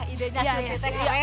ide surti teh keren ya